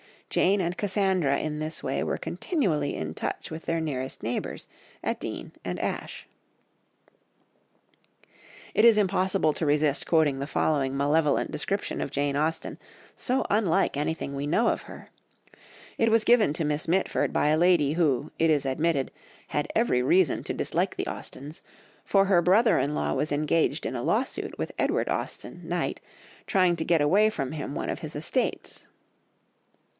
Jane and Cassandra in this way were continually in touch with their nearest neighbours at Deane and Ashe. It is impossible to resist quoting the following malevolent description of Jane Austen, so unlike anything we know of her; it was given to Miss Mitford by a lady who, it is admitted, had every reason to dislike the Austens, for her brother in law was engaged in a lawsuit with Edward Austen (Knight), trying to get away from him one of his estates!